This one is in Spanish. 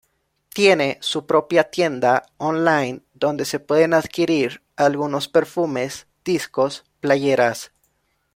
Tiene su propia tienda Online donde se pueden adquirir algunos perfumes, discos, playeras.